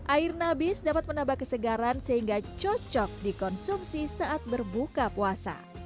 air nabis dapat menambah kesegaran sehingga cocok dikonsumsi saat berbuka puasa